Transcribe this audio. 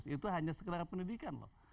itu hanya sekedar pendidikan loh